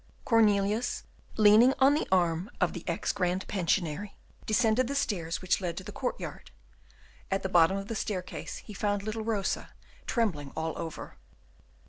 Cornelius, leaning on the arm of the Ex Grand Pensionary, descended the stairs which led to the courtyard. At the bottom of the staircase he found little Rosa, trembling all over.